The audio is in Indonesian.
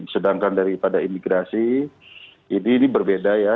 sedangkan daripada imigrasi ini berbeda ya